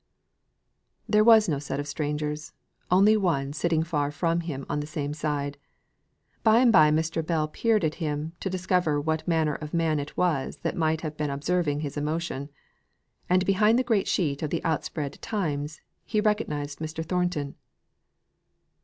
There was no set of strangers, only one sitting far from him on the same side. By and by Mr. Bell peered at him, to discover what manner of man it was that might have been observing his emotion; and behind the great sheet of the outspread "Times," he recognized Mr. Thornton.